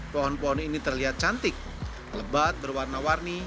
pohon pohon ini terlihat cantik lebat berwarna warni